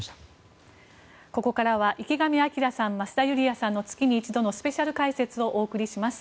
ここからは池上彰さん増田ユリヤさんの月に１度のスペシャル解説をお送りします。